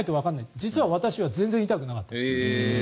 実は私は全然痛くなかった。